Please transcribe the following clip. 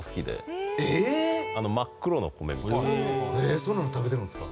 そんなの食べてるんですか？